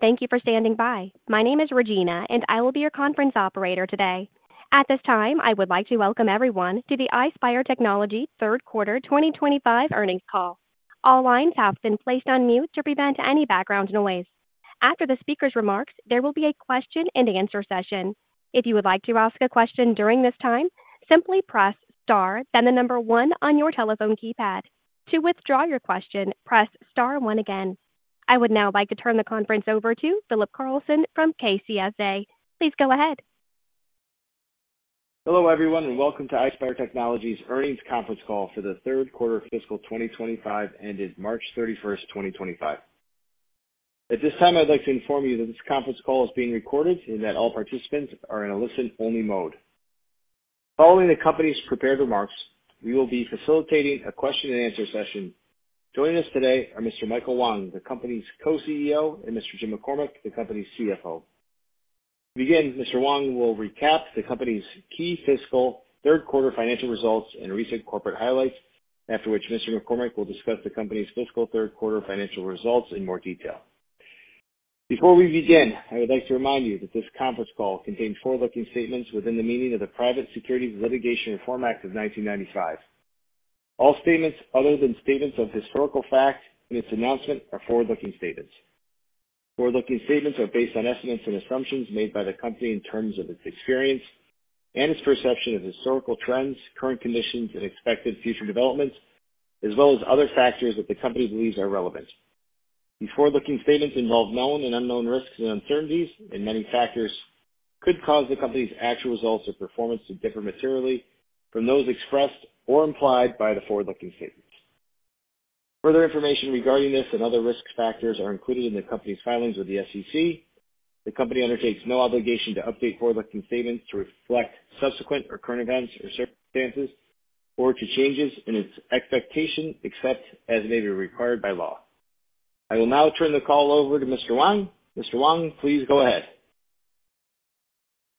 Thank you for standing by. My name is Regina, and I will be your conference operator today. At this time, I would like to welcome everyone to the Ispire Technology Third Quarter 2025 Earnings Call. All lines have been placed on mute to prevent any background noise. After the speaker's remarks, there will be a question-and-answer session. If you would like to ask a question during this time, simply press star, then the number one on your telephone keypad. To withdraw your question, press star one again. I would now like to turn the conference over to Philip Carlson from KCSA. Please go ahead. Hello everyone, and welcome to Ispire Technology's earnings conference call for the third quarter of fiscal 2025 ended March 31, 2025. At this time, I'd like to inform you that this conference call is being recorded and that all participants are in a listen-only mode. Following the company's prepared remarks, we will be facilitating a question-and-answer session. Joining us today are Mr. Michael Wang, the company's co-CEO, and Mr. Jim McCormick, the company's CFO. To begin, Mr. Wang will recap the company's key fiscal third quarter financial results and recent corporate highlights, after which Mr. McCormick will discuss the company's fiscal third quarter financial results in more detail. Before we begin, I would like to remind you that this conference call contains forward-looking statements within the meaning of the Private Securities Litigation Reform Act of 1995. All statements other than statements of historical fact in its announcement are forward-looking statements. Forward-looking statements are based on estimates and assumptions made by the company in terms of its experience and its perception of historical trends, current conditions, and expected future developments, as well as other factors that the company believes are relevant. These forward-looking statements involve known and unknown risks and uncertainties, and many factors could cause the company's actual results or performance to differ materially from those expressed or implied by the forward-looking statements. Further information regarding this and other risk factors is included in the company's filings with the SEC. The company undertakes no obligation to update forward-looking statements to reflect subsequent or current events or circumstances or to changes in its expectation, except as may be required by law. I will now turn the call over to Mr. Wang. Mr. Wang, please go ahead.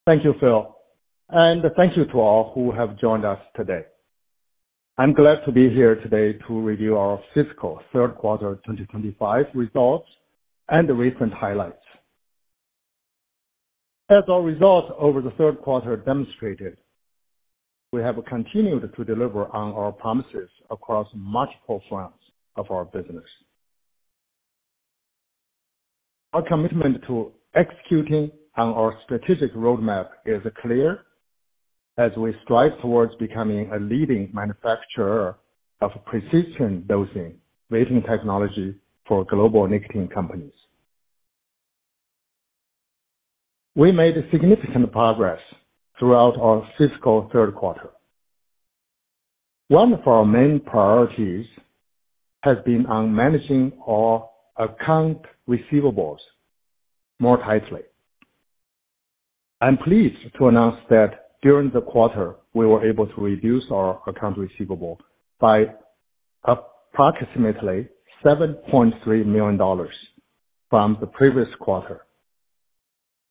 Thank you, Phil. Thank you to all who have joined us today. I'm glad to be here today to review our fiscal third quarter 2025 results and the recent highlights. As our results over the third quarter demonstrated, we have continued to deliver on our promises across multiple fronts of our business. Our commitment to executing on our strategic roadmap is clear as we strive towards becoming a leading manufacturer of precision dosing vaping technology for global nicotine companies. We made significant progress throughout our fiscal third quarter. One of our main priorities has been on managing our account receivables more tightly. I'm pleased to announce that during the quarter, we were able to reduce our account receivables by approximately $7.3 million from the previous quarter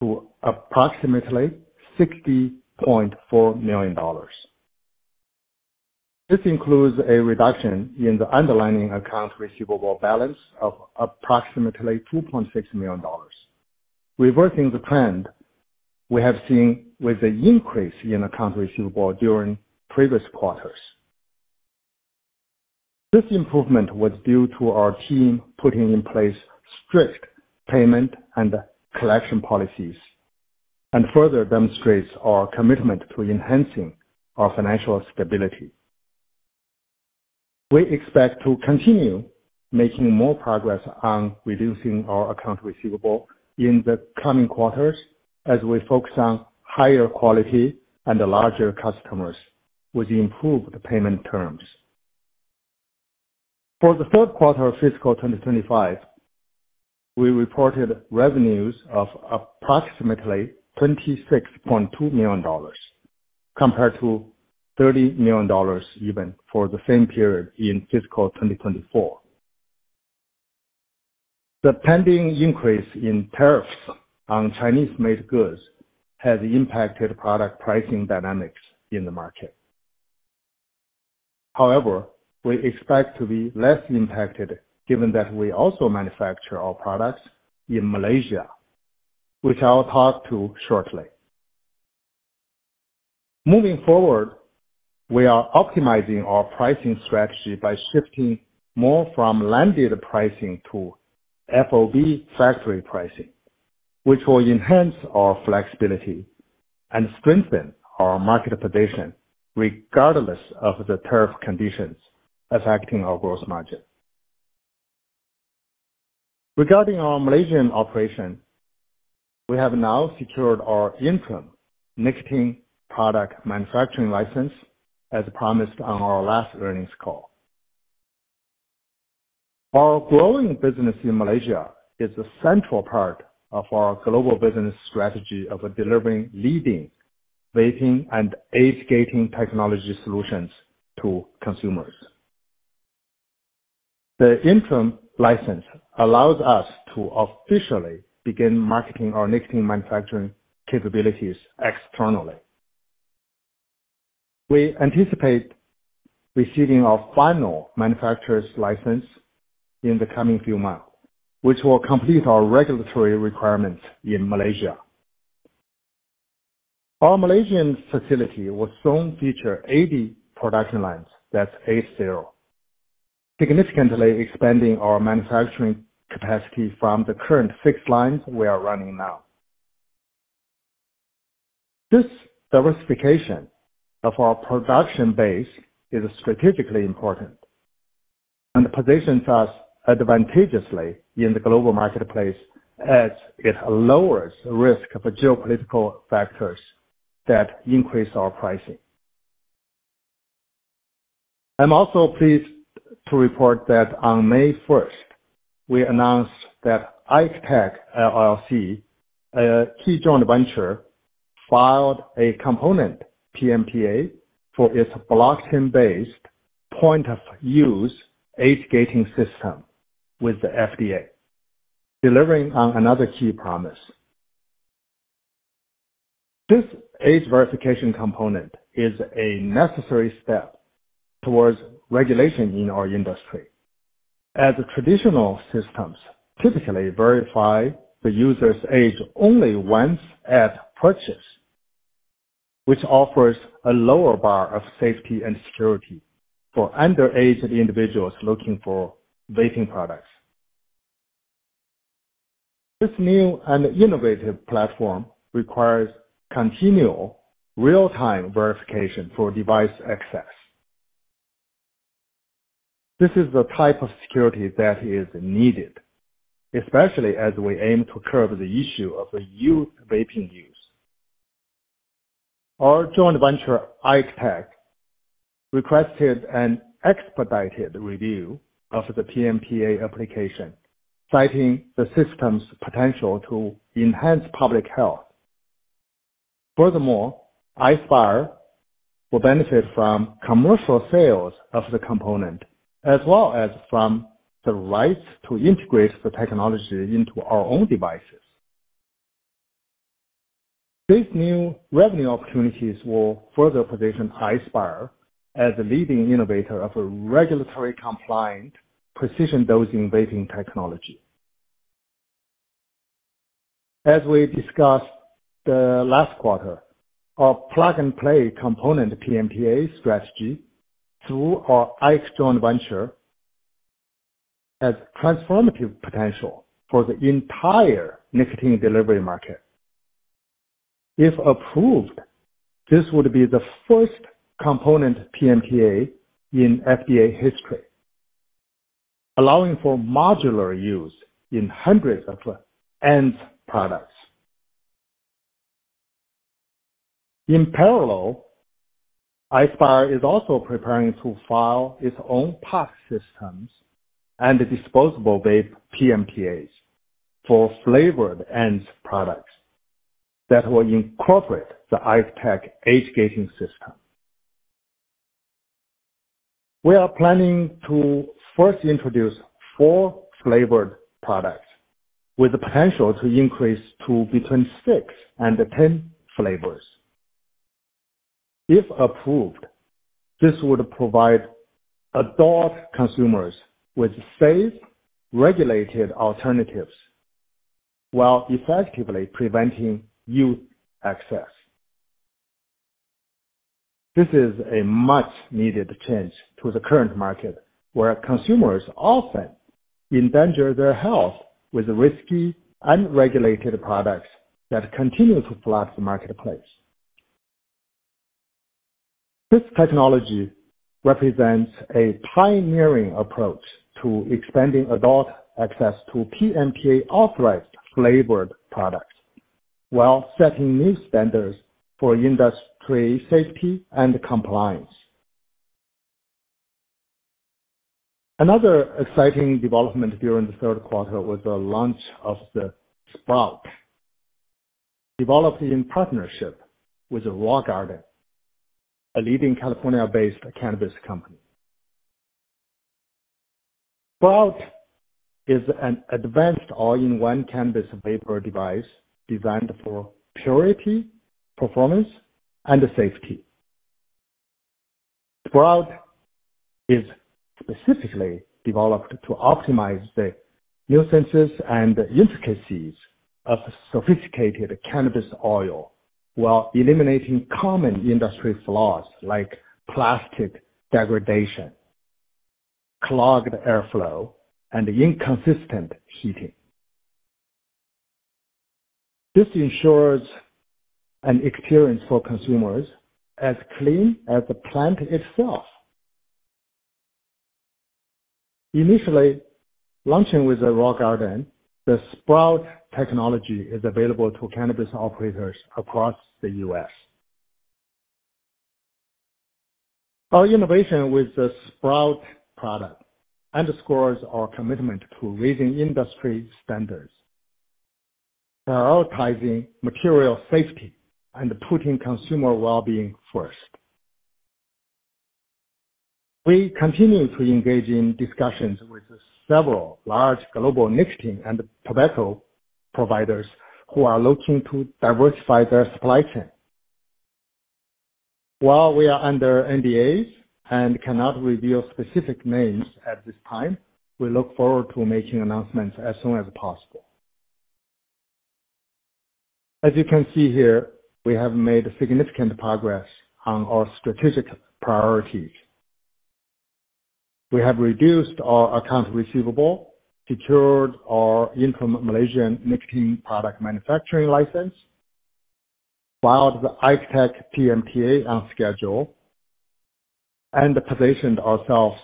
to approximately $60.4 million. This includes a reduction in the underlying account receivable balance of approximately $2.6 million, reversing the trend we have seen with the increase in account receivable during previous quarters. This improvement was due to our team putting in place strict payment and collection policies and further demonstrates our commitment to enhancing our financial stability. We expect to continue making more progress on reducing our account receivable in the coming quarters as we focus on higher quality and larger customers with improved payment terms. For the third quarter of fiscal 2025, we reported revenues of approximately $26.2 million compared to $30 million even for the same period in fiscal 2024. The pending increase in tariffs on Chinese-made goods has impacted product pricing dynamics in the market. However, we expect to be less impacted given that we also manufacture our products in Malaysia, which I'll talk to shortly. Moving forward, we are optimizing our pricing strategy by shifting more from landed pricing to FOB factory pricing, which will enhance our flexibility and strengthen our market position regardless of the tariff conditions affecting our gross margin. Regarding our Malaysian operation, we have now secured our interim nicotine product manufacturing license as promised on our last earnings call. Our growing business in Malaysia is a central part of our global business strategy of delivering leading vaping and agitating technology solutions to consumers. The interim license allows us to officially begin marketing our nicotine manufacturing capabilities externally. We anticipate receiving our final manufacturer's license in the coming few months, which will complete our regulatory requirements in Malaysia. Our Malaysian facility will soon feature 80 production lines—that is, eight zero—significantly expanding our manufacturing capacity from the current six lines we are running now. This diversification of our production base is strategically important and positions us advantageously in the global marketplace as it lowers the risk of geopolitical factors that increase our pricing. I'm also pleased to report that on May 1, we announced that ICTEC, a key joint venture, filed a component PMPA for its blockchain-based point-of-use age verification system with the FDA, delivering on another key promise. This age verification component is a necessary step towards regulation in our industry, as traditional systems typically verify the user's age only once at purchase, which offers a lower bar of safety and security for underage individuals looking for vaping products. This new and innovative platform requires continual real-time verification for device access. This is the type of security that is needed, especially as we aim to curb the issue of youth vaping use. Our joint venture, ICTEC, requested an expedited review of the PMPA application, citing the system's potential to enhance public health. Furthermore, Ispire will benefit from commercial sales of the component, as well as from the rights to integrate the technology into our own devices. These new revenue opportunities will further position Ispire as a leading innovator of a regulatory-compliant precision dosing vaping technology. As we discussed the last quarter, our plug-and-play component PMPA strategy through our ICTEC joint venture has transformative potential for the entire nicotine delivery market. If approved, this would be the first component PMPA in FDA history, allowing for modular use in hundreds of ENS products. In parallel, Ispire is also preparing to file its own POC systems and disposable vape PMPAs for flavored ENS products that will incorporate the ICTEC agitating system. We are planning to first introduce four flavored products with the potential to increase to between six and ten flavors. If approved, this would provide adult consumers with safe, regulated alternatives while effectively preventing youth access. This is a much-needed change to the current market, where consumers often endanger their health with risky, unregulated products that continue to flood the marketplace. This technology represents a pioneering approach to expanding adult access to PMPA-authorized flavored products while setting new standards for industry safety and compliance. Another exciting development during the third quarter was the launch of the Sprout, developed in partnership with Raw Garden, a leading California-based cannabis company. Sprout is an advanced all-in-one cannabis vapor device designed for purity, performance, and safety. Sprout is specifically developed to optimize the nuances and intricacies of sophisticated cannabis oil while eliminating common industry flaws like plastic degradation, clogged airflow, and inconsistent heating. This ensures an experience for consumers as clean as the plant itself. Initially launching with Raw Garden, the Sprout technology is available to cannabis operators across the U.S. Our innovation with the Sprout product underscores our commitment to raising industry standards, prioritizing material safety, and putting consumer well-being first. We continue to engage in discussions with several large global nicotine and tobacco providers who are looking to diversify their supply chain. While we are under NDAs and cannot reveal specific names at this time, we look forward to making announcements as soon as possible. As you can see here, we have made significant progress on our strategic priorities. We have reduced our account receivables, secured our interim Malaysian nicotine product manufacturing license, filed the ICTEC and PMPA on schedule, and positioned ourselves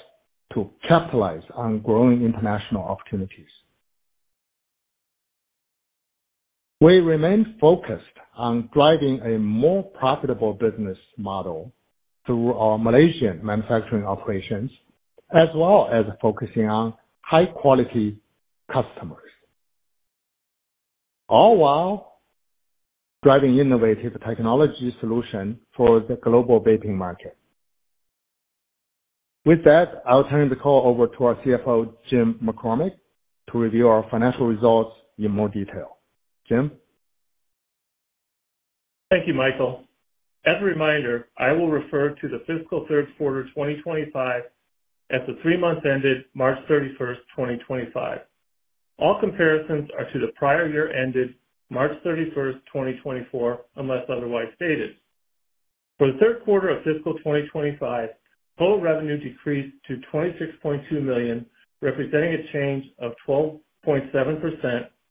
to capitalize on growing international opportunities. We remain focused on driving a more profitable business model through our Malaysian manufacturing operations, as well as focusing on high-quality customers, all while driving innovative technology solutions for the global vaping market. With that, I'll turn the call over to our CFO, Jim McCormick, to review our financial results in more detail. Jim? Thank you, Michael. As a reminder, I will refer to the fiscal third quarter 2025 as the three months ended March 31, 2025. All comparisons are to the prior year ended March 31, 2024, unless otherwise stated. For the third quarter of fiscal 2025, total revenue decreased to $26.2 million, representing a change of 12.7%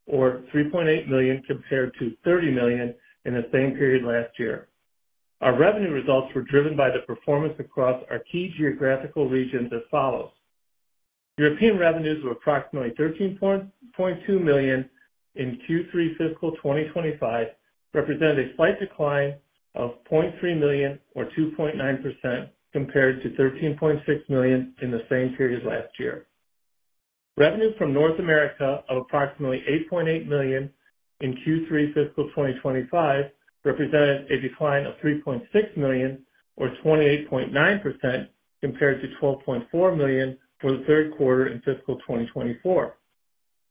or $3.8 million compared to $30 million in the same period last year. Our revenue results were driven by the performance across our key geographical regions as follows. European revenues were approximately $13.2 million in Q3 fiscal 2025, representing a slight decline of $0.3 million or 2.9% compared to $13.6 million in the same period last year. Revenue from North America of approximately $8.8 million in Q3 fiscal 2025 represented a decline of $3.6 million or 28.9% compared to $12.4 million for the third quarter in fiscal 2024.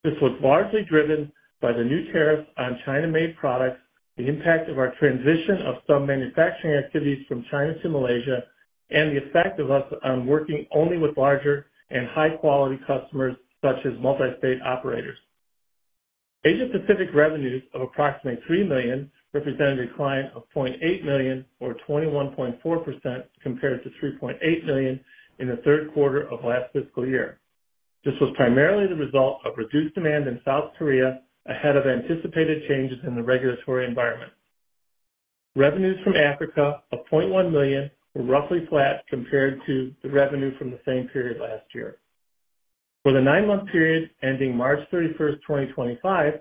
This was largely driven by the new tariffs on China-made products, the impact of our transition of some manufacturing activities from China to Malaysia, and the effect of us on working only with larger and high-quality customers such as multi-state operators. Asia-Pacific revenues of approximately $3 million represented a decline of $0.8 million or 21.4% compared to $3.8 million in the third quarter of last fiscal year. This was primarily the result of reduced demand in South Korea ahead of anticipated changes in the regulatory environment. Revenues from Africa of $0.1 million were roughly flat compared to the revenue from the same period last year. For the nine-month period ending March 31, 2025,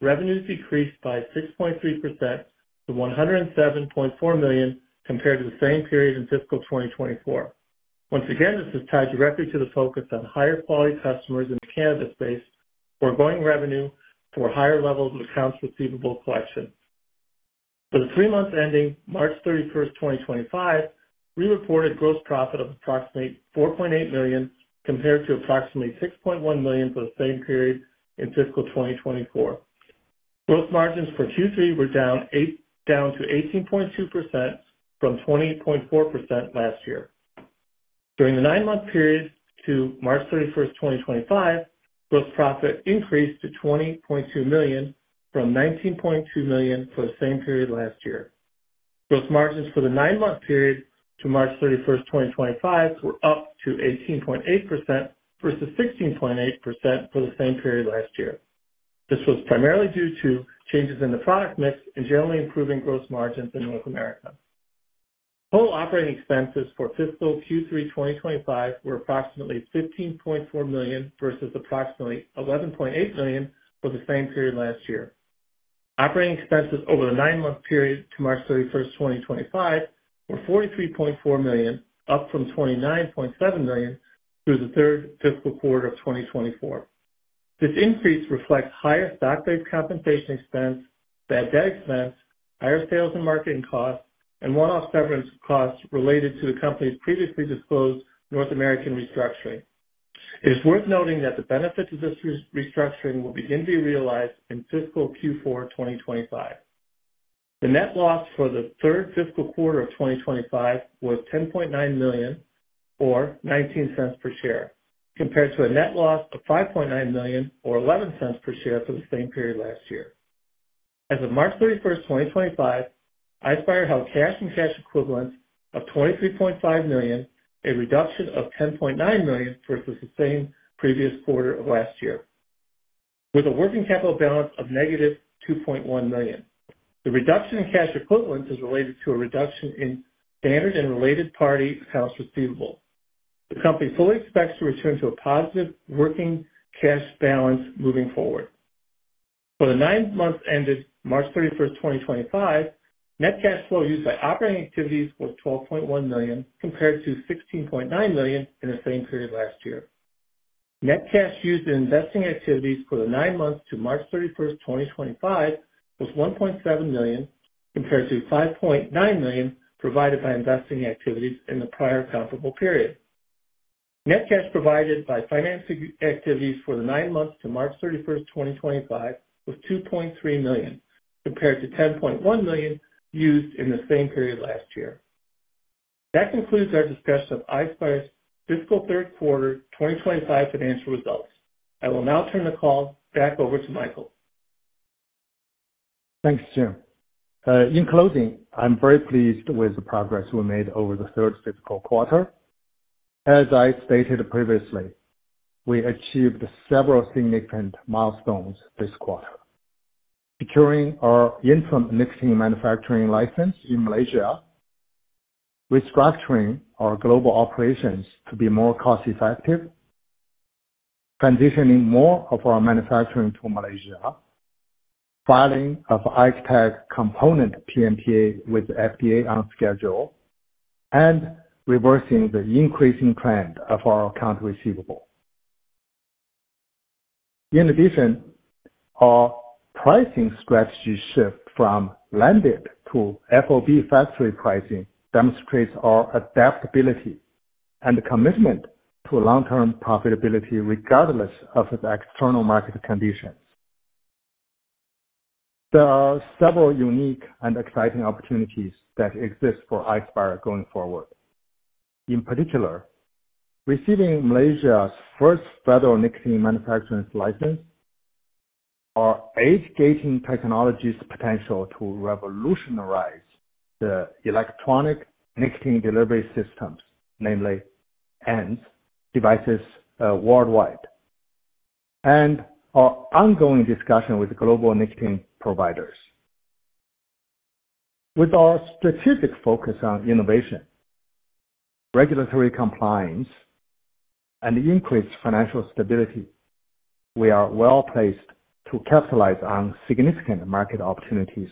revenues decreased by 6.3% to $107.4 million compared to the same period in fiscal 2024. Once again, this is tied directly to the focus on higher-quality customers in the cannabis space forgoing revenue for higher levels of accounts receivable collection. For the three months ending March 31, 2025, we reported gross profit of approximately $4.8 million compared to approximately $6.1 million for the same period in fiscal 2024. Gross margins for Q3 were down to 18.2% from 28.4% last year. During the nine-month period to March 31, 2025, gross profit increased to $20.2 million from $19.2 million for the same period last year. Gross margins for the nine-month period to March 31, 2025, were up to 18.8% versus 16.8% for the same period last year. This was primarily due to changes in the product mix and generally improving gross margins in North America. Total operating expenses for fiscal Q3 2025 were approximately $15.4 million versus approximately $11.8 million for the same period last year. Operating expenses over the nine-month period to March 31, 2025, were $43.4 million, up from $29.7 million through the third fiscal quarter of 2024. This increase reflects higher stock-based compensation expense, bad debt expense, higher sales and marketing costs, and one-off severance costs related to the company's previously disclosed North American restructuring. It is worth noting that the benefits of this restructuring will begin to be realized in fiscal Q4 2025. The net loss for the third fiscal quarter of 2025 was $10.9 million or $0.19 per share compared to a net loss of $5.9 million or $0.11 per share for the same period last year. As of March 31, 2025, Ispire held cash and cash equivalents of $23.5 million, a reduction of $10.9 million versus the same previous quarter of last year, with a working capital balance of negative $2.1 million. The reduction in cash equivalents is related to a reduction in standard and related party accounts receivable. The company fully expects to return to a positive working cash balance moving forward. For the nine months ended March 31, 2025, net cash flow used by operating activities was $12.1 million compared to $16.9 million in the same period last year. Net cash used in investing activities for the nine months to March 31, 2025, was $1.7 million compared to $5.9 million provided by investing activities in the prior comparable period. Net cash provided by finance activities for the nine months to March 31st, 2025, was $2.3 million compared to $10.1 million used in the same period last year. That concludes our discussion of Ispire's fiscal third quarter 2025 financial results. I will now turn the call back over to Michael. Thanks, Jim. In closing, I'm very pleased with the progress we made over the third fiscal quarter. As I stated previously, we achieved several significant milestones this quarter, securing our interim nicotine manufacturing license in Malaysia, restructuring our global operations to be more cost-effective, transitioning more of our manufacturing to Malaysia, filing of ICTEC component PMPA with FDA on schedule, and reversing the increasing trend of our account receivables. In addition, our pricing strategy shift from landed to FOB factory pricing demonstrates our adaptability and commitment to long-term profitability regardless of the external market conditions. There are several unique and exciting opportunities that exist for Ispire going forward. In particular, receiving Malaysia's first federal nicotine manufacturing license, our age verification technology's potential to revolutionize the electronic nicotine delivery systems, namely ENS devices worldwide, and our ongoing discussion with global nicotine providers. With our strategic focus on innovation, regulatory compliance, and increased financial stability, we are well placed to capitalize on significant market opportunities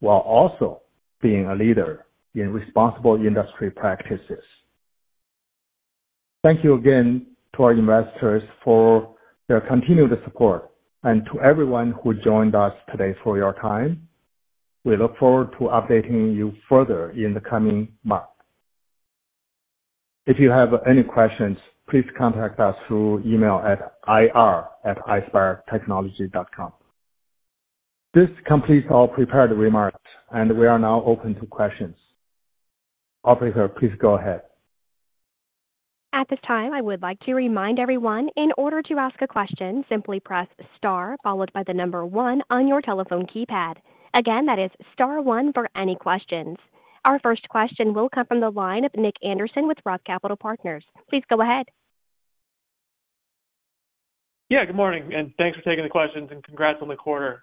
while also being a leader in responsible industry practices. Thank you again to our investors for their continued support and to everyone who joined us today for your time. We look forward to updating you further in the coming month. If you have any questions, please contact us through email at ir@ispiretechnology.com. This completes our prepared remarks, and we are now open to questions. Operator, please go ahead. At this time, I would like to remind everyone in order to ask a question, simply press star followed by the number one on your telephone keypad. Again, that is star one for any questions. Our first question will come from the line of Nick Anderson with ROTH Capital Partners. Please go ahead. Yeah, good morning, and thanks for taking the questions and congrats on the quarter.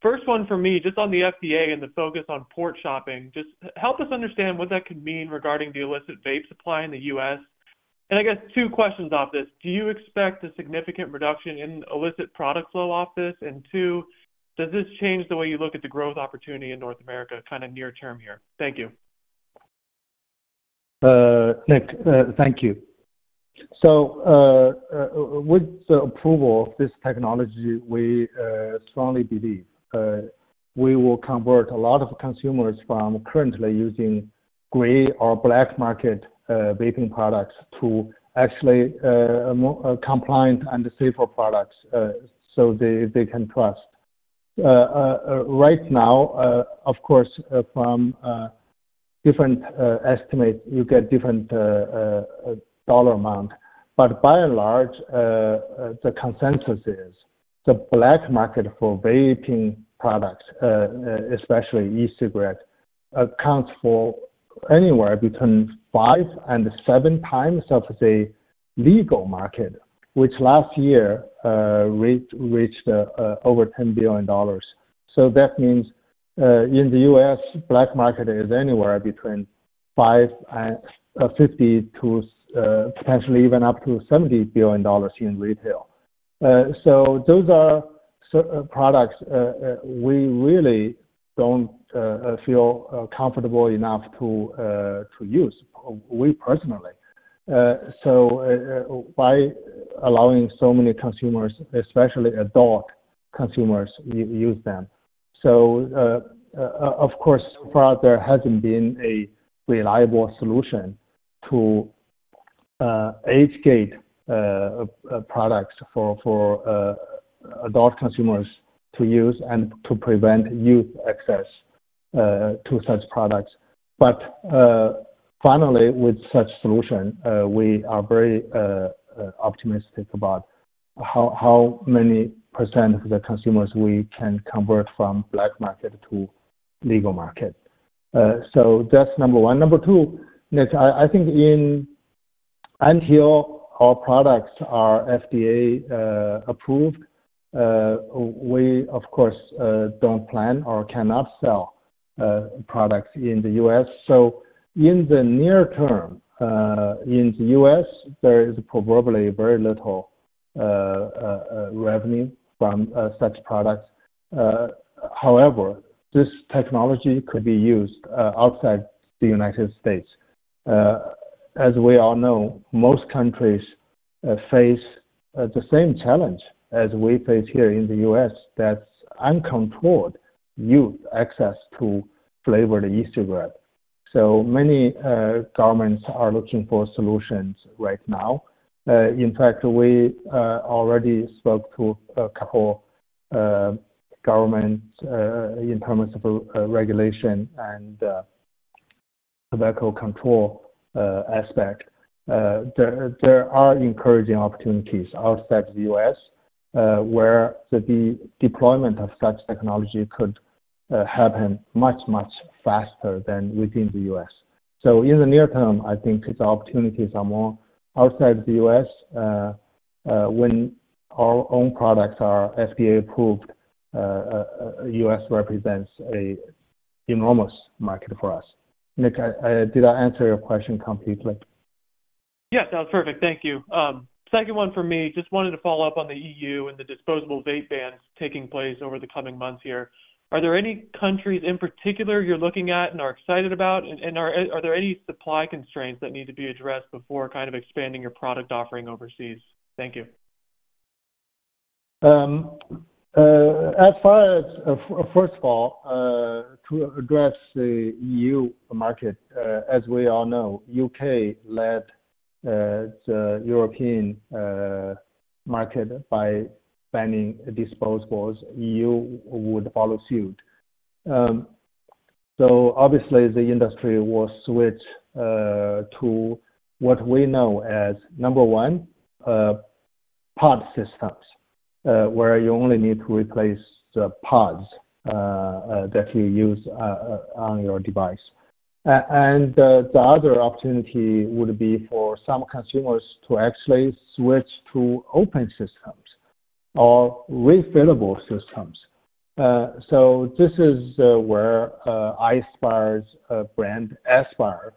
First one for me, just on the FDA and the focus on port shopping, just help us understand what that could mean regarding the illicit vape supply in the U.S. I guess two questions off this. Do you expect a significant reduction in illicit product flow off this? Two, does this change the way you look at the growth opportunity in North America kind of near term here? Thank you. Nick, thank you. With the approval of this technology, we strongly believe we will convert a lot of consumers from currently using gray or black market vaping products to actually compliant and safer products they can trust. Right now, of course, from different estimates, you get different dollar amounts. By and large, the consensus is the black market for vaping products, especially e-cigarette, accounts for anywhere between five and seven times the legal market, which last year reached over $10 billion. That means in the U.S., black market is anywhere between $50 billion to potentially even up to $70 billion in retail. Those are products we really do not feel comfortable enough to use, we personally. By allowing so many consumers, especially adult consumers, to use them. Of course, so far, there hasn't been a reliable solution to age-gate products for adult consumers to use and to prevent youth access to such products. Finally, with such a solution, we are very optimistic about how many % of the consumers we can convert from black market to legal market. That's number one. Number two, Nick, I think until our products are FDA approved, we, of course, don't plan or cannot sell products in the U.S. In the near term, in the U.S., there is probably very little revenue from such products. However, this technology could be used outside the United States. As we all know, most countries face the same challenge as we face here in the U.S.—that's uncontrolled youth access to flavored e-cigarette. Many governments are looking for solutions right now. In fact, we already spoke to a couple of governments in terms of regulation and tobacco control aspect. There are encouraging opportunities outside the U.S. where the deployment of such technology could happen much, much faster than within the U.S. In the near term, I think the opportunities are more outside the U.S. When our own products are FDA approved, the U.S. represents an enormous market for us. Nick, did I answer your question completely? Yes, that was perfect. Thank you. Second one for me, just wanted to follow up on the EU and the disposable vape bans taking place over the coming months here. Are there any countries in particular you're looking at and are excited about? Are there any supply constraints that need to be addressed before kind of expanding your product offering overseas? Thank you. As far as, first of all, to address the EU market, as we all know, the U.K. led the European market by banning disposables. The EU would follow suit. Obviously, the industry will switch to what we know as, number one, pod systems, where you only need to replace the pods that you use on your device. The other opportunity would be for some consumers to actually switch to open systems or refillable systems. This is where Ispire's brand, Aspire,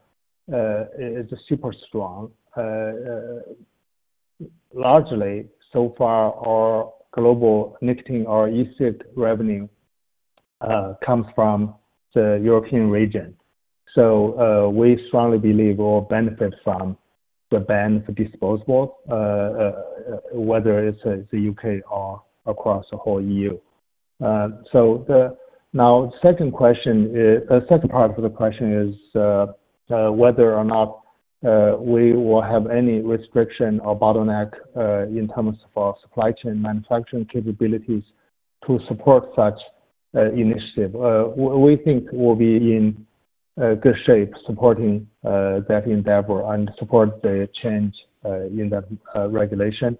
is super strong. Largely, so far, our global nicotine or e-cig revenue comes from the European region. We strongly believe we'll benefit from the ban for disposables, whether it's the U.K. or across the whole EU. Now, the second part of the question is whether or not we will have any restriction or bottleneck in terms of our supply chain manufacturing capabilities to support such initiatives. We think we'll be in good shape supporting that endeavor and support the change in that regulation.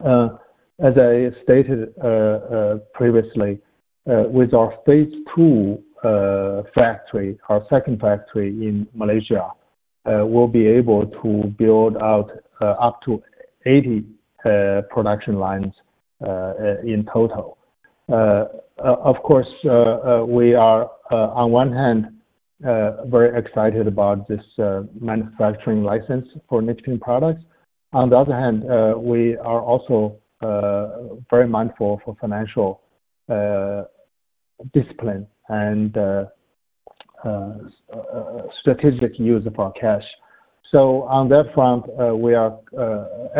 As I stated previously, with our phase two factory, our second factory in Malaysia, we'll be able to build out up to 80 production lines in total. Of course, we are, on one hand, very excited about this manufacturing license for nicotine products. On the other hand, we are also very mindful of financial discipline and strategic use of our cash. On that front,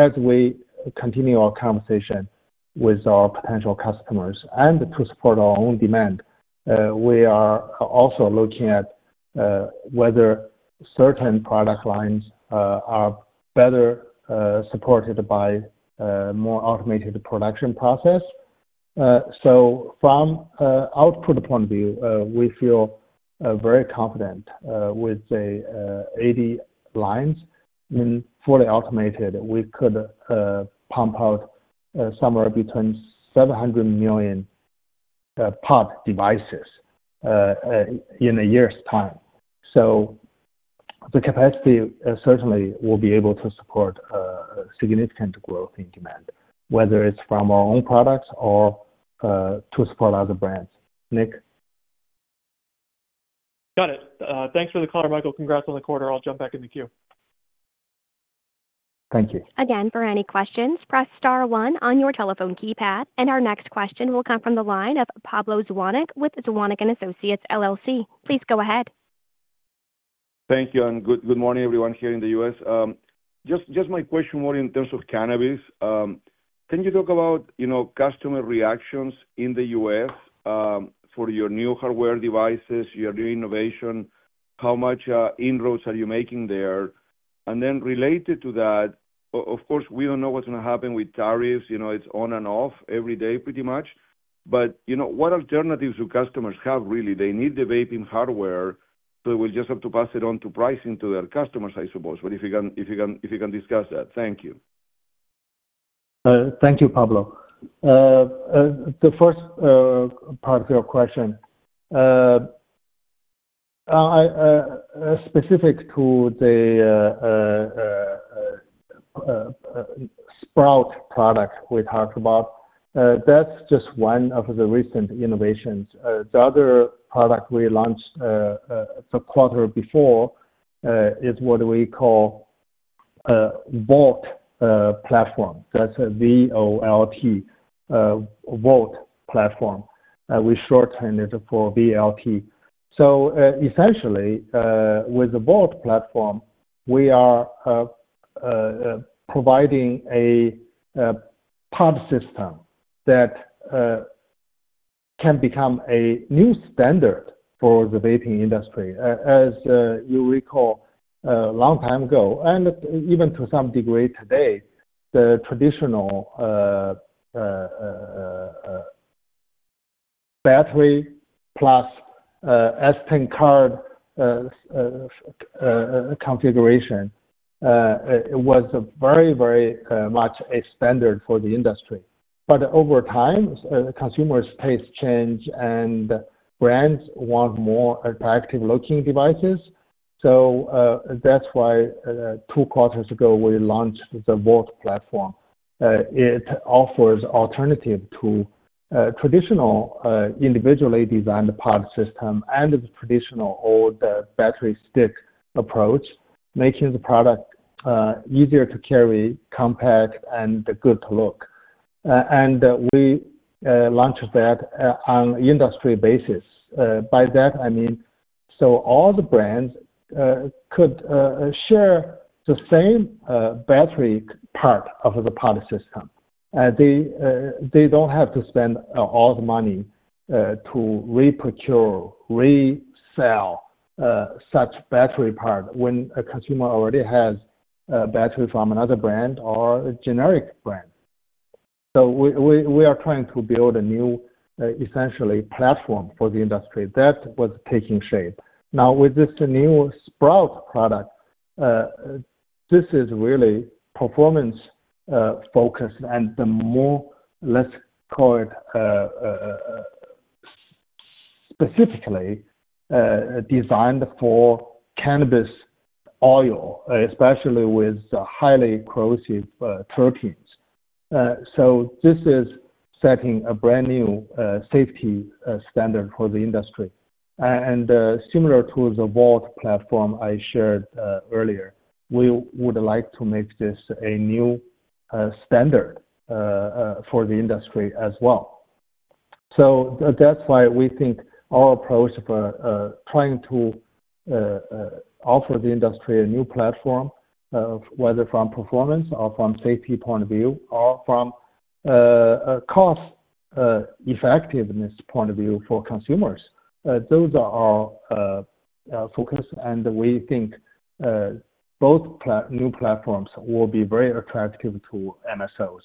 as we continue our conversation with our potential customers and to support our own demand, we are also looking at whether certain product lines are better supported by a more automated production process. From an output point of view, we feel very confident with the 80 lines. Fully automated, we could pump out somewhere between 700 million pod devices in a year's time. The capacity certainly will be able to support significant growth in demand, whether it's from our own products or to support other brands. Nick? Got it. Thanks for the call, Michael. Congrats on the quarter. I'll jump back in the queue. Thank you. Again, for any questions, press star one on your telephone keypad. Our next question will come from the line of Pablo Zuanic with Zuanic and Associates. Please go ahead. Thank you. Good morning, everyone here in the U.S. Just my question more in terms of cannabis. Can you talk about customer reactions in the U.S. for your new hardware devices, your new innovation? How much inroads are you making there? Related to that, of course, we do not know what is going to happen with tariffs. It is on and off every day, pretty much. What alternatives do customers have, really? They need the vaping hardware, so we will just have to pass it on to pricing to their customers, I suppose. If you can discuss that. Thank you. Thank you, Pablo. The first part of your question, specific to the Sprout product we talked about, that's just one of the recent innovations. The other product we launched the quarter before is what we call Volt Platform. That's a V-O-L-T, Volt Platform. We shorten it for VLT. Essentially, with the Volt Platform, we are providing a pod system that can become a new standard for the vaping industry, as you recall, a long time ago. Even to some degree today, the traditional battery plus S10 card configuration was very, very much a standard for the industry. Over time, consumers' tastes change and brands want more attractive-looking devices. That is why two quarters ago, we launched the Volt Platform. It offers an alternative to traditional individually designed pod systems and the traditional old battery stick approach, making the product easier to carry, compact, and good to look. We launched that on an industry basis. By that, I mean all the brands could share the same battery part of the pod system. They do not have to spend all the money to reprocure, resell such battery parts when a consumer already has a battery from another brand or a generic brand. We are trying to build a new, essentially, platform for the industry. That was taking shape. Now, with this new Sprout product, this is really performance-focused and the more, let's call it, specifically designed for cannabis oil, especially with highly corrosive terpenes. This is setting a brand new safety standard for the industry. Similar to the Volt Platform I shared earlier, we would like to make this a new standard for the industry as well. That is why we think our approach for trying to offer the industry a new platform, whether from performance or from a safety point of view or from a cost-effectiveness point of view for consumers, those are our focus. We think both new platforms will be very attractive to MSOs.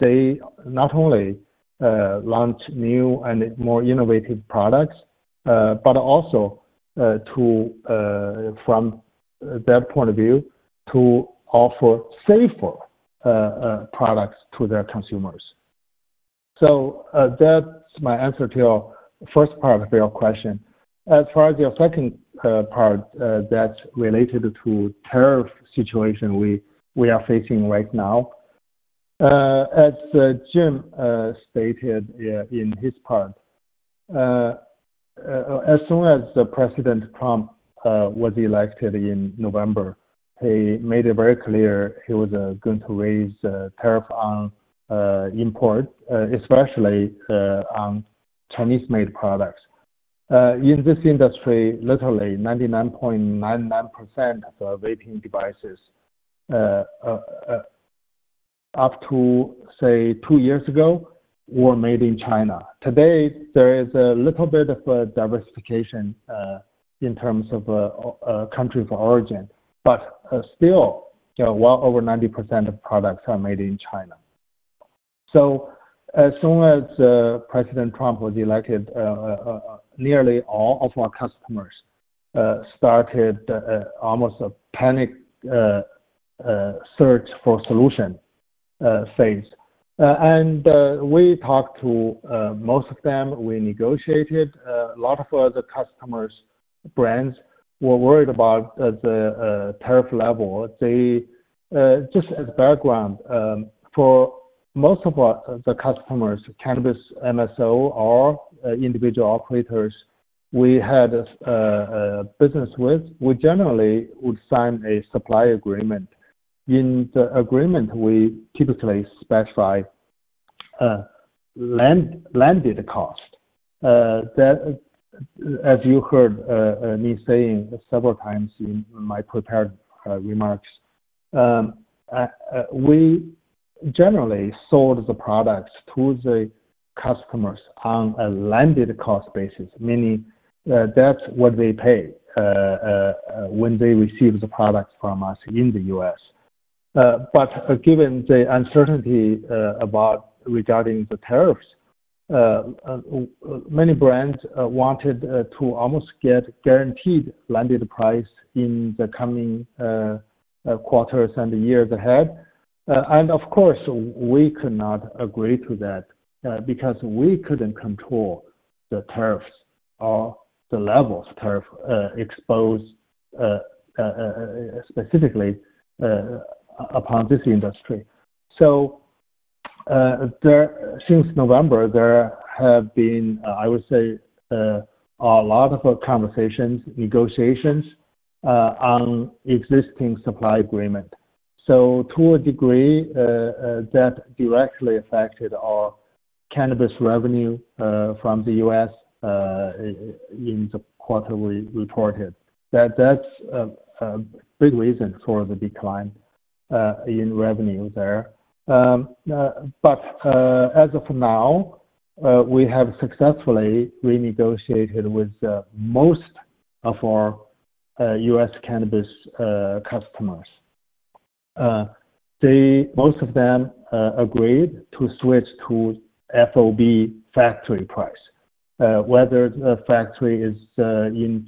They not only launch new and more innovative products, but also from that point of view, to offer safer products to their consumers. That is my answer to your first part of your question. As far as your second part, that is related to the tariff situation we are facing right now. As Jim stated in his part, as soon as President Trump was elected in November, he made it very clear he was going to raise tariffs on imports, especially on Chinese-made products. In this industry, literally 99.99% of vaping devices, up to, say, two years ago, were made in China. Today, there is a little bit of a diversification in terms of country of origin. Still, well over 90% of products are made in China. As soon as President Trump was elected, nearly all of our customers started almost a panic search for a solution phase. We talked to most of them. We negotiated. A lot of other customers, brands, were worried about the tariff level. Just as background, for most of the customers, cannabis MSO or individual operators we had business with, we generally would sign a supply agreement. In the agreement, we typically specify landed cost. As you heard me saying several times in my prepared remarks, we generally sold the products to the customers on a landed cost basis, meaning that's what they pay when they receive the products from us in the U.S. Given the uncertainty regarding the tariffs, many brands wanted to almost get a guaranteed landed price in the coming quarters and years ahead. Of course, we could not agree to that because we could not control the tariffs or the levels of tariffs exposed specifically upon this industry. Since November, there have been, I would say, a lot of conversations, negotiations on existing supply agreements. To a degree, that directly affected our cannabis revenue from the U.S. in the quarter we reported. That is a big reason for the decline in revenue there. As of now, we have successfully renegotiated with most of our U.S. cannabis customers. Most of them agreed to switch to FOB factory price, whether the factory is in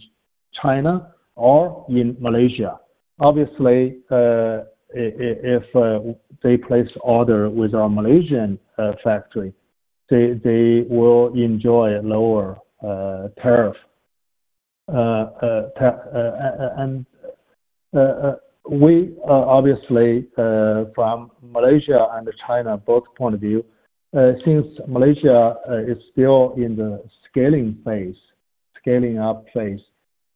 China or in Malaysia. Obviously, if they place an order with our Malaysian factory, they will enjoy a lower tariff. And we, obviously, from Malaysia and China both point of view, since Malaysia is still in the scaling phase, scaling up phase,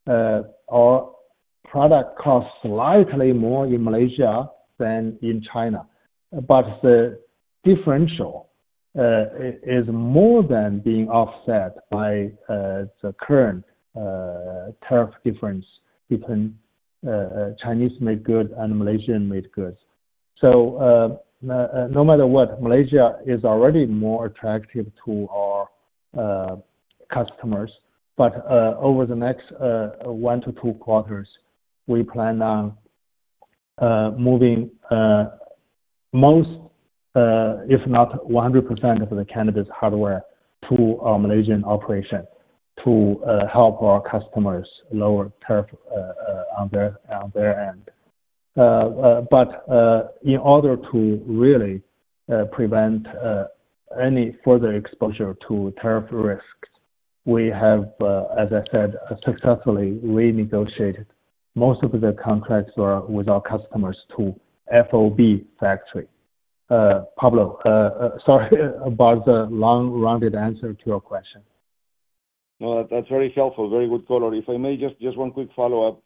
our product costs slightly more in Malaysia than in China. The differential is more than being offset by the current tariff difference between Chinese-made goods and Malaysian-made goods. No matter what, Malaysia is already more attractive to our customers. Over the next one to two quarters, we plan on moving most, if not 100% of the cannabis hardware to our Malaysian operation to help our customers lower tariffs on their end. In order to really prevent any further exposure to tariff risks, we have, as I said, successfully renegotiated most of the contracts with our customer0s to FOB factory. Pablo, sorry about the long-winded answer to your question. No, that's very helpful. Very good caller. If I may, just one quick follow-up.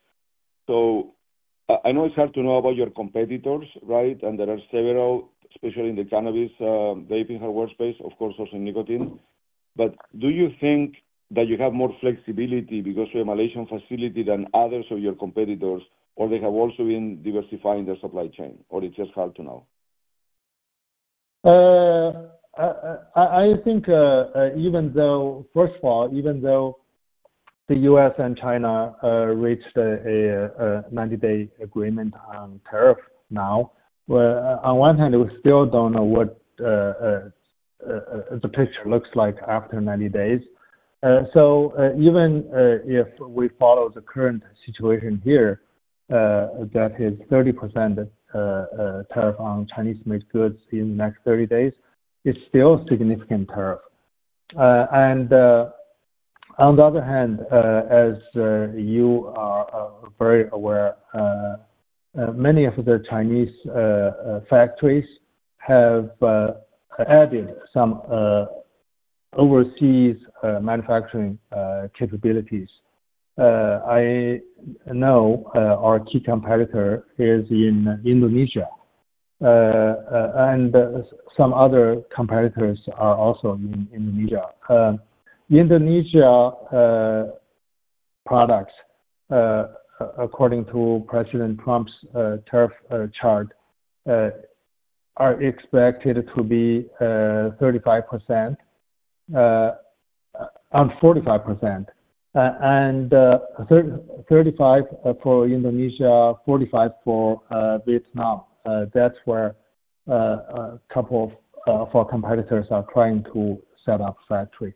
I know it's hard to know about your competitors, right? There are several, especially in the cannabis vaping hardware space, of course, also nicotine. Do you think that you have more flexibility because of your Malaysian facility than others of your competitors, or they have also been diversifying their supply chain? Or it's just hard to know? I think first of all, even though the U.S. and China reached a 90-day agreement on tariffs now, on one hand, we still do not know what the picture looks like after 90 days. Even if we follow the current situation here, that is 30% tariff on Chinese-made goods in the next 30 days, it is still a significant tariff. On the other hand, as you are very aware, many of the Chinese factories have added some overseas manufacturing capabilities. I know our key competitor is in Indonesia. Some other competitors are also in Indonesia. Indonesia products, according to President Trump's tariff chart, are expected to be 35% or 45%. It is 35% for Indonesia, 45% for Vietnam. That is where a couple of our competitors are trying to set up factories.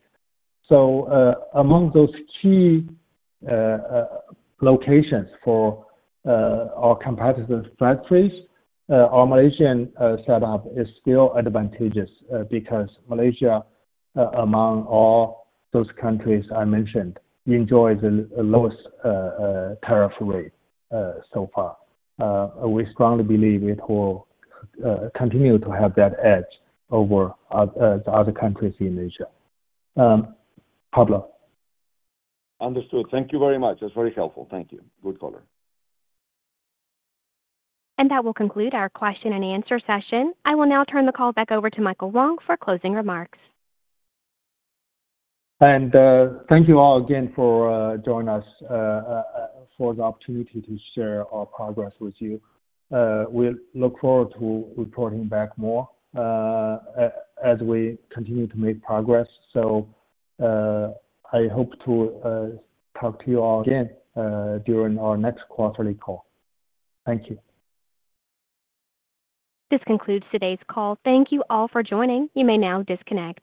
Among those key locations for our competitors' factories, our Malaysian setup is still advantageous because Malaysia, among all those countries I mentioned, enjoys the lowest tariff rate so far. We strongly believe it will continue to have that edge over other countries in Asia. Pablo. Understood. Thank you very much. That's very helpful. Thank you. Good caller. That will conclude our question-and-answer session. I will now turn the call back over to Michael Wang for closing remarks. Thank you all again for joining us, for the opportunity to share our progress with you. We look forward to reporting back more as we continue to make progress. I hope to talk to you all again during our next quarterly call. Thank you. This concludes today's call. Thank you all for joining. You may now disconnect.